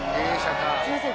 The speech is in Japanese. すいません